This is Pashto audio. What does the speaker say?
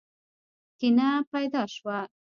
کینه پیدا شوه.